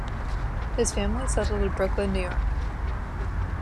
His family settled in Brooklyn, New York.